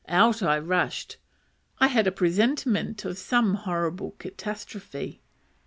Out I rushed. I had a presentiment of some horrible catastrophe.